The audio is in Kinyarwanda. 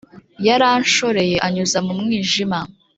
Yaranshoreye anyuza mu mwijima,